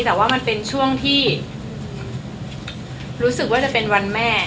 แต่ว่ามันเป็นช่วงที่รู้สึกว่าจะเป็นวันแม่